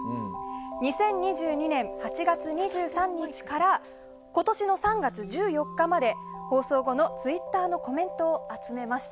２０２２年８月２３日から今年の３月１４日まで放送後のツイッターのコメントを集めました。